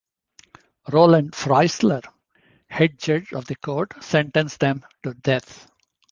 Roland Freisler, head judge of the court, sentenced them to death.